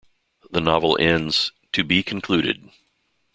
The novel ends "To Be Concluded".